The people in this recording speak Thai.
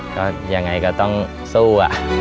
ก็ยังไงก็ต้องสู้อะ